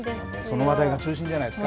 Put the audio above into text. その話題が中心じゃないですか。